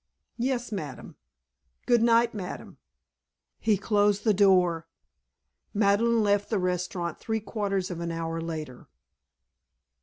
"Yes, Madame. Good night, Madame." He closed the door. Madeleine left the restaurant three quarters of an hour later.